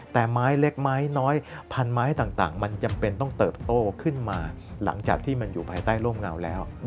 แต่ไม้เล็กไม้น้อยพันไม้ต่างมันจำเป็นต้องเติบโตขึ้นมาหลังจากที่มันอยู่ภายใต้ร่มเงาแล้ว